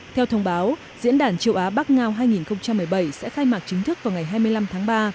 theo thông báo diễn đàn châu á bắc ngao hai nghìn một mươi bảy sẽ khai mạc chính thức vào ngày hai mươi năm tháng ba